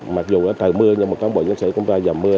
mặc dù từ mưa nhưng các bộ nhân sĩ cũng ra dầm mưa